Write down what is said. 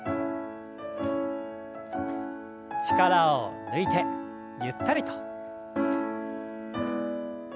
力を抜いてゆったりと。